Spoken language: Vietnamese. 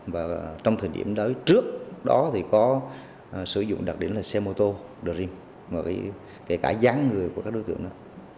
và trong thời điểm đó trước đó thì có sử dụng đặc điểm là xe mô tô đồ rim kể cả gián người của các đối tượng đó